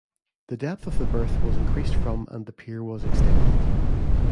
The depth of the berth was increased from and the pier was extended.